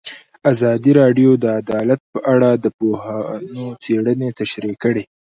ازادي راډیو د عدالت په اړه د پوهانو څېړنې تشریح کړې.